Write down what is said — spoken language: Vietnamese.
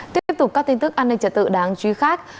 tiếp tục các tin tức an ninh trật tự đáng chú ý khác